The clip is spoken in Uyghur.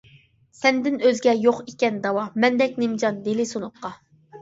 سەندىن ئۆزگە يوق ئىكەن داۋا، مەندەك نىمجان دىلى سۇنۇققا.